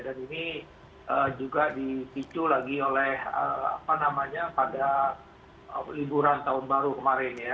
dan ini juga disicu lagi oleh apa namanya pada liburan tahun baru kemarin ya